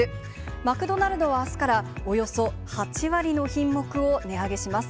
マクドナルドは、あすからおよそ８割の品目を値上げします。